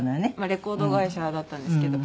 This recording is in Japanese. レコード会社だったんですけど。